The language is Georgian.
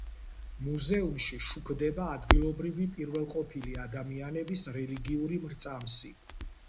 მუზეუმში შუქდება ადგილობრივი პირველყოფილი ადამიანების რელიგიური მრწამსი.